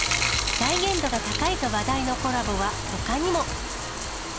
再現度が高いと話題のコラボはほかにも。